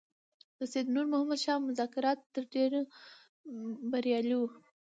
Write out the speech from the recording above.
د سید نور محمد شاه مذاکرات تر ډېره بریالي وو.